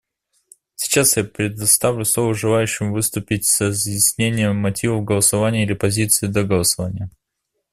Сейчас я предоставлю слово желающим выступить с разъяснением мотивов голосования или позиции до голосования.